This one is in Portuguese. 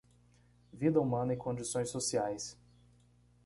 Vida humana e condições sociais